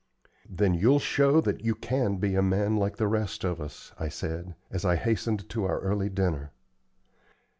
"Then you'll show that you can be a man like the rest of us," I said, as I hastened to our early dinner.